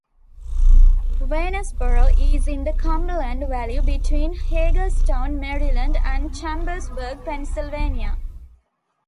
Waynesboro is in the Cumberland Valley between Hagerstown, Maryland, and Chambersburg, Pennsylvania.